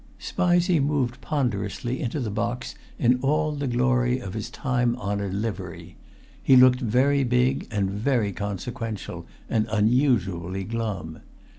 Spizey moved ponderously into the box in all the glory of his time honoured livery. He looked very big, and very consequential, and unusually glum.